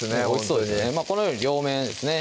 ほんとにこのように両面ですね